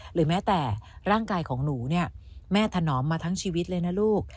หรือแม้แต่ร่างกายของหนูเนี่ยแม่ถนอมมาทั้งชีวิตเลยนะลูก